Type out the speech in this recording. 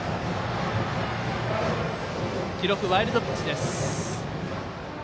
記録、ワイルドピッチです。